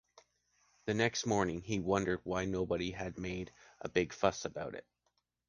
The next morning, he wondered why nobody had made a big fuss about it.